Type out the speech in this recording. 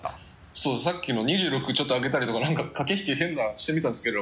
そうさっきの２６ちょっと空けたりとか何か駆け引き変なしてみたんですけど。